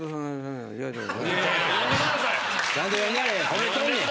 ・褒めとんねん！